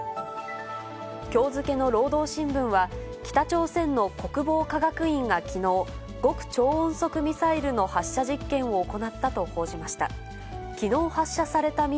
きょう付けの労働新聞は、北朝鮮の国防科学院がきのう、極超音速ミサイルの発射実験を行ったと報じました。